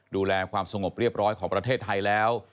ดูแลความสงบเรียบร้อยของประเทศไทยแล้ว